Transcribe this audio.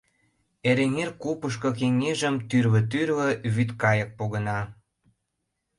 Эреҥер купышко кеҥежым тӱрлӧ-тӱрлӧ вӱд кайык погына.